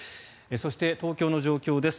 そして、東京の状況です。